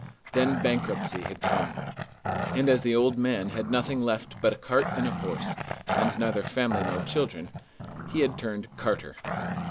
Then bankruptcy had come; and as the old man had nothing left but a cart and a horse, and neither family nor children, he had turned carter.